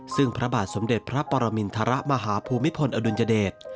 ซึ่งพระบาทสมเด็จพระปรมินทรมาฮภูมิพลอดุลยเดช